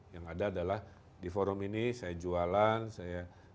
yang ada adalah di forum ini saya jualan saya